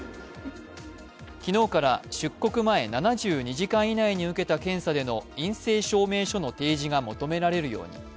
昨日から、出国前７２時間以内に受けた検査での陰性証明書の提示が求められるように。